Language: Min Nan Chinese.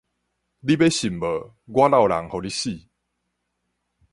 你欲信無我落人予你死